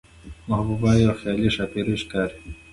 محبوبه يوه خيالي ښاپېرۍ ښکاري،